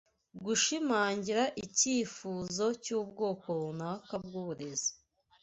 Gushimangira icyifuzo cy'ubwoko runaka bw'uburezi